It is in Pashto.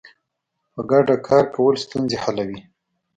په ګډه کار کول ستونزې حلوي.